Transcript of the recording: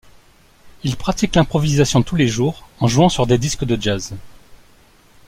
Il pratique l'improvisation tous les jours en jouant sur des disques de jazz..